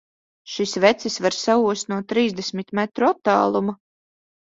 Šis vecis var saost no trīsdesmit metru attāluma!